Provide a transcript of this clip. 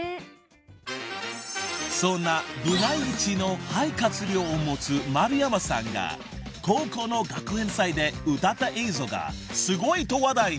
［そんな部内一の肺活量を持つ丸山さんが高校の学園祭で歌った映像がすごいと話題に］